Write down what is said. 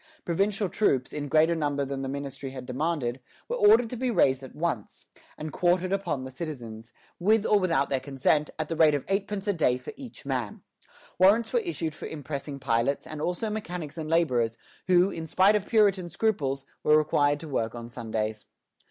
Provincial troops, in greater number than the ministry had demanded, were ordered to be raised at once, and quartered upon the citizens, with or without their consent, at the rate of eightpence a day for each man. Warrants were issued for impressing pilots, and also mechanics and laborers, who, in spite of Puritan scruples, were required to work on Sundays.